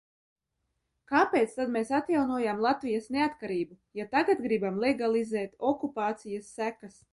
Kāpēc tad mēs atjaunojām Latvijas neatkarību, ja tagad gribam legalizēt okupācijas sekas?